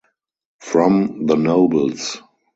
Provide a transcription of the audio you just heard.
From the nobles.